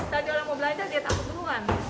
jadi orang mau belanja dia takut duluan